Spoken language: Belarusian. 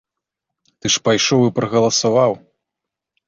Ты ж пайшоў і прагаласаваў.